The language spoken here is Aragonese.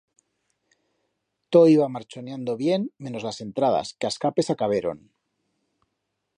Todo iba marchoniando bien menos las entradas, que a escape s'acaberon.